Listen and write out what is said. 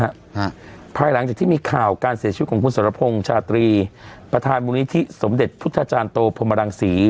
ฮะภายหลังจากที่มีข่าวการเสียชีวิตของคุณสรพงศ์ชาตรีประธานมูลนิธิสมเด็จพุทธจารย์โตพรมรังศรี